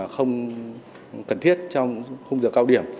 không cần thiết trong khung giờ cao điểm